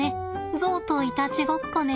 ゾウといたちごっこね。